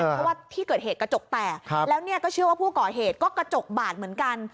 เพราะว่าที่เกิดเหตุกระจกแตกแล้วเนี่ยก็เชื่อว่าผู้ก่อเหตุก็กระจกบาดเหมือนกัน